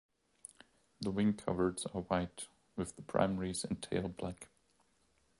The wing coverts are white with the primaries and tail black.